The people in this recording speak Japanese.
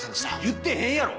言ってへんやろ！